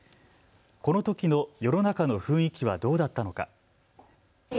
このときの世の中の雰囲気はどうだったのか。